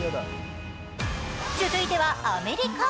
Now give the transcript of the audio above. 続いてはアメリカ。